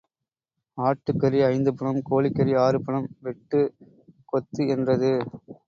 ஆட்டுக்கறி ஐந்து பணம், கோழிக்கறி ஆறு பணம் வெட்டு, கொத்து என்றது.